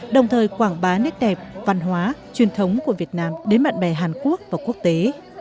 đồng thời quảng bá nét đẹp văn hóa truyền thống của việt nam đến bạn bè hàn quốc và quốc tế